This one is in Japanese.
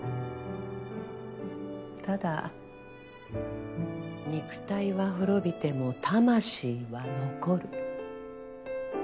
ただ肉体は滅びても魂は残る。